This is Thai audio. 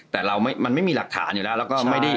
แต่ไม่มีหลักฐานอยู่แล้ว